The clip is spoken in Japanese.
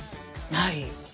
ない？